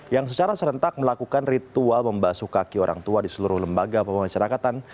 yang secara serentak melakukan ritual membasuh kaki orang tua di seluruh lembaga pemasyarakatan